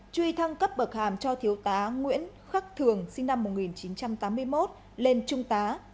truy thăng cấp bậc hàm cho thiếu tá nguyễn khắc thường sinh năm một nghìn chín trăm tám mươi một lên trung tá